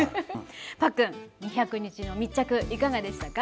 パックン２００日の密着いかがでしたか？